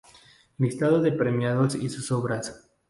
Listado de premiados y sus obras.